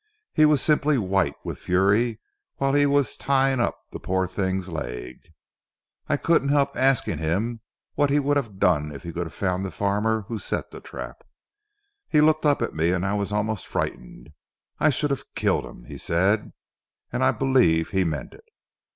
He was simply white with fury whilst he was tying up the poor thing's leg. I couldn't help asking him what he would have done if he could have found the farmer who set the trap. He looked up at me and I was almost frightened. 'I should have killed him,' he said, and I believe he meant it.